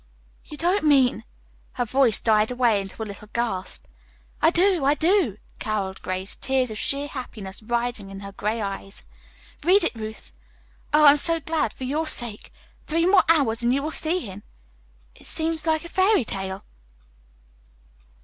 "You don't mean " her voice died away in a startled gasp. "I do, I do," caroled Grace, tears of sheer happiness rising in her gray eyes. "Read it, Ruth. Oh, I am so glad for your sake. Three more hours and you will see him. It seems like a fairytale."